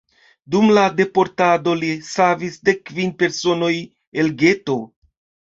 Dum la deportado li savis dekkvin personoj el geto.